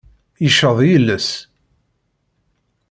Yeceḍ yiles.